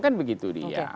kan begitu dia